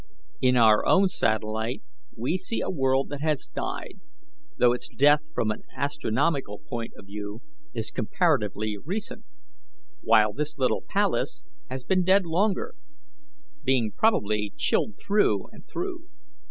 In our own satellite we see a world that has died, though its death from an astronomical point of view is comparatively recent, while this little Pallas has been dead longer, being probably chilled through and through.